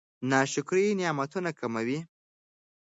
ناشکري نعمتونه کموي.